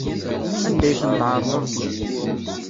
Anda ay ten-tɛerḍeḍ?